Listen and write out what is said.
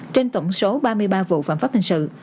trên tổng số ba mươi ba vụ phạm pháp hình sự